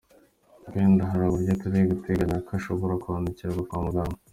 Wenda hari uburyo turi guteganya ko ashobora kwandikirwa kwa muganga.